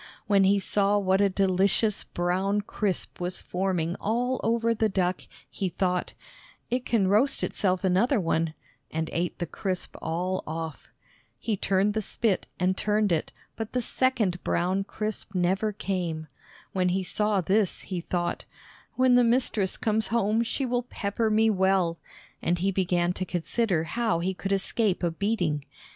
When he saw what a delicious brown crisp was forming all over the duck, he thought, "It can roast itself another one," and ate the crisp all off. He turned the spit and turned it, but the second brown crisp never came. When he saw this, he thought: "When the mistress comes home she will pepper me well," and he began to consider how he could escape a beating.